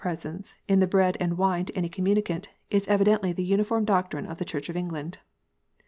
presence in the bread and wine to any communicant, is evidently the uniform doctrine of the Church of England.